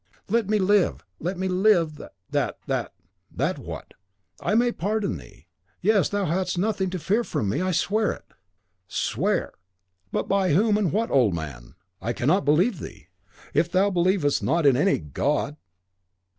"Let me live! let me live! that that " "That what?" "I may pardon thee! Yes, thou hast nothing to fear from me. I swear it!" "Swear! But by whom and what, old man? I cannot believe thee, if thou believest not in any God!